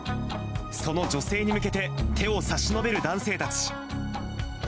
その女性に向けて手を差し伸べる男性たち。